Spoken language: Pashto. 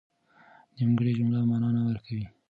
نيمګړې جمله مانا نه ورکوي.